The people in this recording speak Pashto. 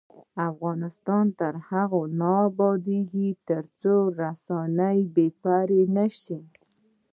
افغانستان تر هغو نه ابادیږي، ترڅو رسنۍ بې پرې نشي.